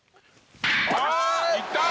いった！